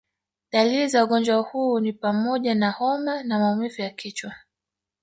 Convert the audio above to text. Dalili za ugonjwa huu ni pamoja na homa na maumivu ya kichwa